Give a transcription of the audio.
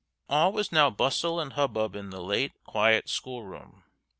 All was now bustle and hubbub in the late quiet school room.